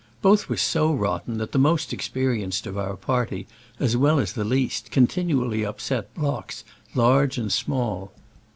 Both were so rotten that the most experienced of our party, as well as the least, continually upset blocks large and small.